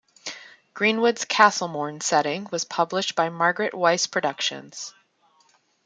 Greenwood's "Castlemourn" setting was published by Margaret Weis Productions.